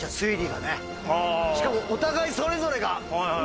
しかもお互いそれぞれがね。